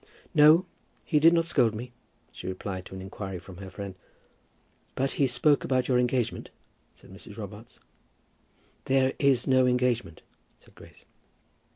"No, he did not scold me," she replied to an inquiry from her friend. "But he spoke about your engagement?" said Mrs. Robarts. "There is no engagement," said Grace.